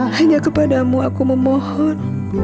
hanya kepadamu aku memohon